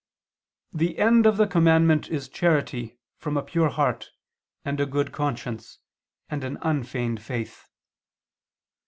1:5): "The end of the commandment is charity from a pure heart, and a good conscience, and an unfeigned faith."